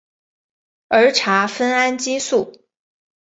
儿茶酚胺激素。